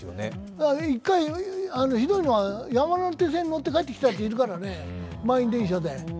一回、ひどいのは山手線に乗って帰ってきたやついるからね、満員電車で。